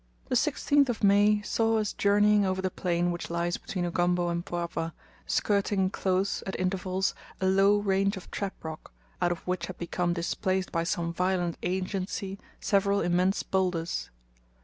The 16th of May saw us journeying over the plain which lies between Ugombo and Mpwapwa, skirting close, at intervals, a low range of trap rock, out of which had become displaced by some violent agency several immense boulders.